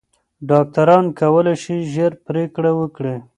ډاکټران کولی شي ژر پریکړه وکړي.